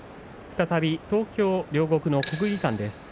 再び東京・両国の国技館です。